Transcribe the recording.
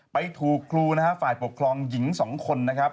ไปถูกครูฝ่ายปกครองหญิงสองคน